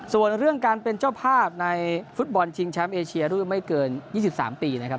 ส่วนเรื่องการเป็นเจ้าภาพในฟุตบอลชิงแชมป์เอเชียรุ่นไม่เกิน๒๓ปีนะครับ